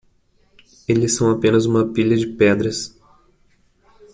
Eles são apenas uma pilha de pedras.